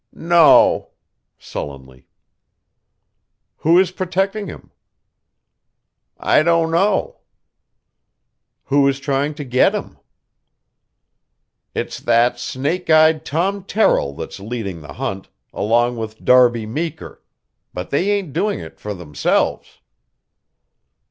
"No," sullenly. "Who is protecting him?" "I don't know." "Who is trying to get him?" "It's that snake eyed Tom Terrill that's leading the hunt, along with Darby Meeker; but they ain't doing it for themselves."